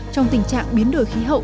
trong tình trạng biến đổi khí hậu